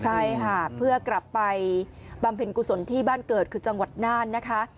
ใช่ค่ะเพื่อกลับไปบำเพ็ญกุศลที่บ้านเกิดคือจังหวัดน่านนะคะ